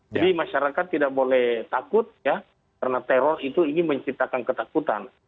jadi masyarakat tidak boleh takut ya karena teror itu menciptakan ketakutan